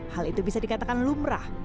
hal itu bisa dikatakan lumrah